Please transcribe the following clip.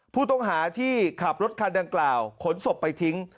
ผู้ต้องหาที่ขับรถคันดังกล่าวขนศพไปทิ้ง